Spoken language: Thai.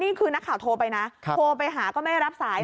นี่คือนักข่าวโทรไปนะโทรไปหาก็ไม่รับสาย